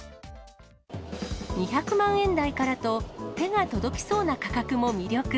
２００万円台からと、手が届きそうな価格も魅力。